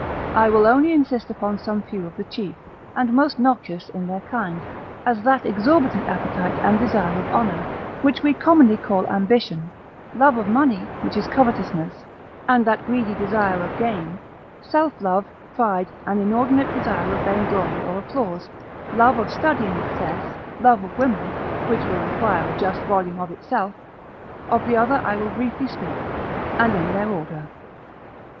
I will only insist upon some few of the chief, and most noxious in their kind, as that exorbitant appetite and desire of honour, which we commonly call ambition; love of money, which is covetousness, and that greedy desire of gain: self love, pride, and inordinate desire of vainglory or applause, love of study in excess; love of women (which will require a just volume of itself), of the other I will briefly speak, and in their order.